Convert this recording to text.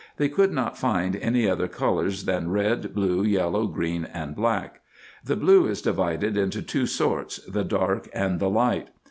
They could not find any other colours than red, blue, yellow, green, and black. The blue is divided into two sorts, the dark and the light.